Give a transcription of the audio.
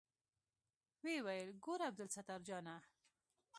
ويې ويل ګوره عبدالستار جانه.